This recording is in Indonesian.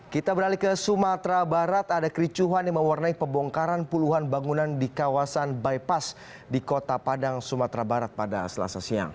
kita beralih ke sumatera barat ada kericuhan yang mewarnai pembongkaran puluhan bangunan di kawasan bypass di kota padang sumatera barat pada selasa siang